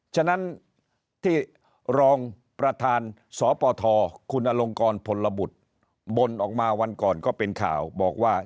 ฉะนั้นที่รองประธานสปทคุณอลงกรพลบุตรบ่นออกมาวันก่อนก็เป็นข่าวบอกว่า